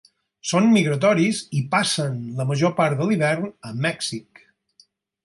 Són migratoris i passen la major part de l'hivern a Mèxic.